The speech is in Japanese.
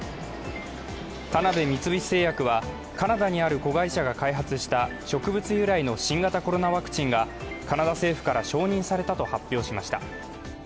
田辺三菱製薬は、カナダにある子会社が開発した植物由来の新型コロナワクチンがカナダ政府から承認されたと発表しました。